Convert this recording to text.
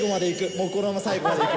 もう、このまま最後まで行く！